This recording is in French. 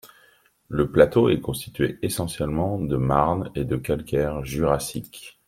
Le plateau est constitué essentiellement de marnes et de calcaire Jurassique.